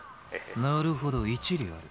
なるほど一理ある。